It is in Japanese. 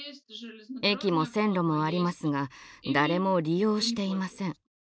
駅も線路もありますが誰も利用していません。